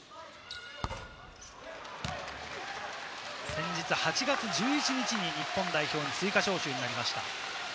先日８月１１日に日本代表に追加招集になりました。